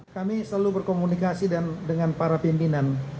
kami selalu berkomunikasi dengan para pimpinan